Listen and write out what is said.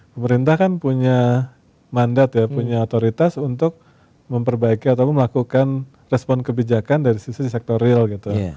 pemerintah kan punya mandat ya punya otoritas untuk memperbaiki atau melakukan respon kebijakan dari sisi di sektor real gitu